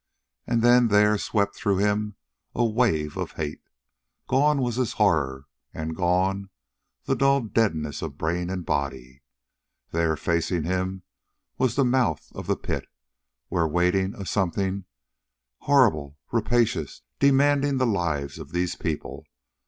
And then there swept through him a wave of hate. Gone was his horror, and gone the dull deadness of brain and body. There, facing him, was the mouth of the pit, where waited a something horrible, rapacious demanding the lives of these people